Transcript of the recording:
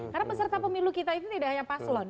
karena peserta pemilu kita itu tidak hanya paslon